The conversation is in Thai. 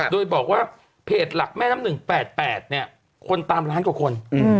โดยบอกว่าเพจหลักแม่น้ำ๑๘๘คนตามล้านกว่าคน